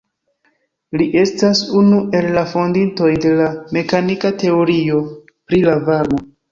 Li estas unu el la fondintoj de la mekanika teorio pri la varmo.